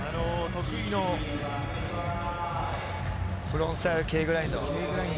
得意のフロントサイドＫグラインド。